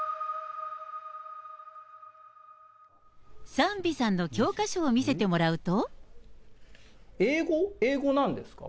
サーンビさんの教科書を見せてもらうと。